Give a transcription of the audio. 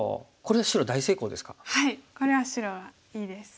はいこれは白がいいです。